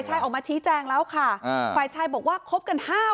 ที่บ้านสันตีศุกร์ที่บ้านดูอุดรธานี